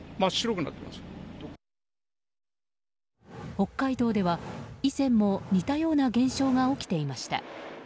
北海道では、以前も似たような現象が起きていました。